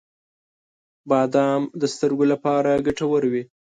• بادام د سترګو لپاره ګټور وي.